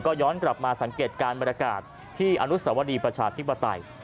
ก็ย้อนกลับมาสังเกตการณ์บรรยากาศที่อนุสวรีประชาธิปไตย